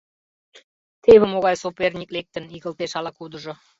— Теве могай соперник лектын, — игылтеш ала-кудыжо.